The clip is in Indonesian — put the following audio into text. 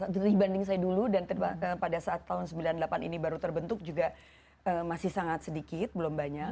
dibanding saya dulu dan pada saat tahun sembilan puluh delapan ini baru terbentuk juga masih sangat sedikit belum banyak